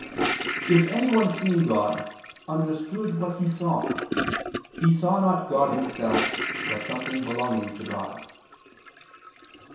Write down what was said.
"if anyone seeing God, understood what he saw, he saw not God Himself, but something belonging to God."